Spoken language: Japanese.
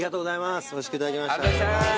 おいしくいただきました。